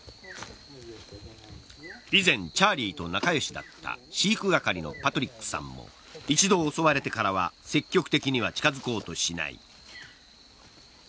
以前チャーリーと仲良しだった飼育係のパトリックさんも一度、襲われてからは積極的には近づこうとしない。